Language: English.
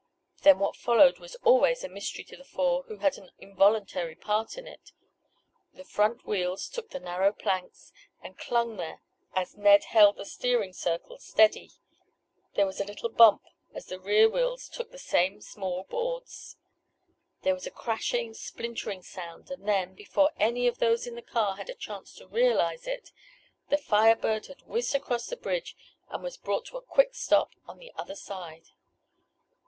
Then what followed was always a mystery to the four who had an involuntary part in it. The front wheels took the narrow planks, and clung there as Ned held the steering circle steady. There was a little bump as the rear wheels took the same small boards. There was a crashing, splintering sound and then, before any of those in the car had a chance to realize it, the Fire Bird had whizzed across the bridge and was brought to a quick stop on the other side.